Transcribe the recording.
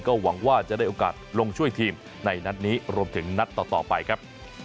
หวังว่าจะได้โอกาสลงช่วยทีมในนัดนี้รวมถึงนัดต่อไปครับ